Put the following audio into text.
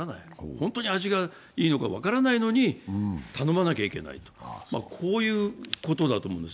本当に味がいいのか分からないのに頼まなきゃいけない、こういうことだと思います。